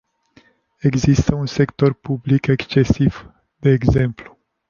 Există un sector public excesiv, de exemplu.